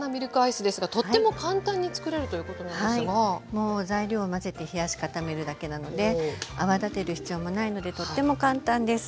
もう材料を混ぜて冷やし固めるだけなので泡立てる必要もないのでとっても簡単です。